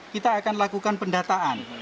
kita akan lakukan pendataan